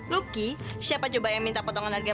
luki siapa coba yang minta potongan harga